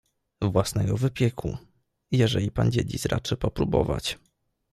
— Własnego wypieku, jeżeli pan dziedzic raczy popróbować.